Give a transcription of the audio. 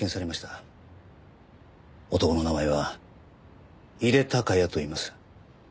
男の名前は井手孝也といいます。